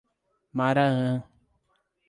Maraã